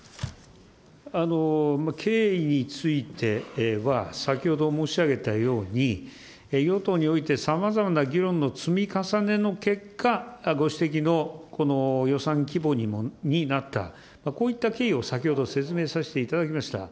経緯については、先ほど申し上げたように、与党においてさまざまな議論の積み重ねの結果、ご指摘のこの予算規模になった、こういった経緯を先ほど説明させていただきました。